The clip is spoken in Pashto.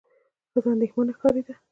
ښځه اندېښمنه ښکارېده.